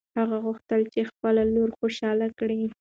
هغه غوښتل چې خپله لور خوشحاله کړي.